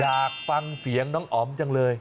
อยากฟังเสียงน้องอ๋อมจังเลย